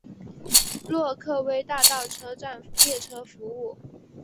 洛克威大道车站列车服务。